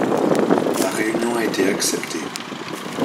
La réunion a été acceptée.